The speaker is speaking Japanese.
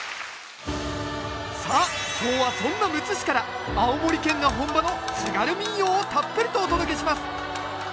さあ今日はそんなむつ市から青森県が本場の津軽民謡をたっぷりとお届けします